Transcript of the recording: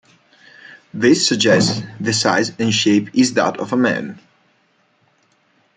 This suggests the size and shape is that of a man.